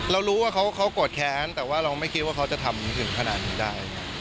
เรารู้ว่าเขาโกรธแค้นแต่ว่าเราไม่คิดว่าเขาจะทำถึงขนาดนี้ได้